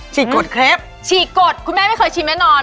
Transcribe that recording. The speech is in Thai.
กกดเคลปฉีกกดคุณแม่ไม่เคยชิมแน่นอน